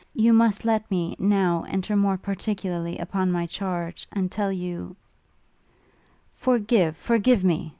You must let me, now, enter more particularly upon my charge, and tell you ' 'Forgive, forgive me!'